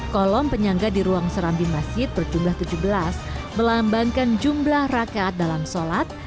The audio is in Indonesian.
kolom penyangga di ruang serambi masjid berjumlah tujuh belas melambangkan jumlah rakaat dalam sholat